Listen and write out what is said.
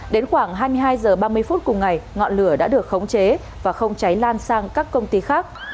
đến khoảng hai mươi hai h ba mươi phút cùng ngày ngọn lửa đã được khống chế và không cháy lan sang các công ty khác